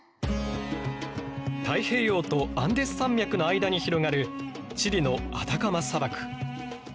太平洋とアンデス山脈の間に広がるチリのアタカマ砂漠。